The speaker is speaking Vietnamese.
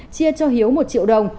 chia cho hiếu một triệu đồng